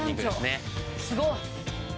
すごい！